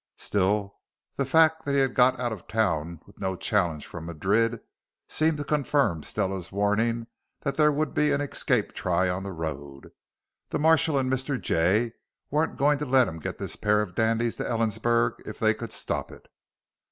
Still, the fact that he had got out of town with no challenge from Madrid seemed to confirm Stella's warning that there would be an escape try on the road. The marshal and Mr. Jay weren't going to let him get this pair of dandies to Ellensburg if they could stop it.